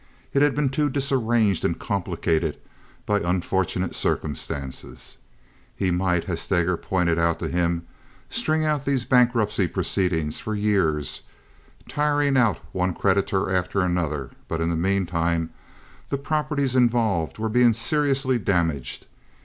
It had been too disarranged and complicated by unfortunate circumstances. He might, as Steger pointed out to him, string out these bankruptcy proceedings for years, tiring out one creditor and another, but in the meantime the properties involved were being seriously damaged.